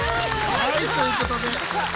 はいということですごい。